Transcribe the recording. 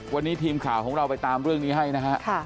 วันนี้ทีมข่าวของเราไปตามเรื่องนี้ให้นะฮะ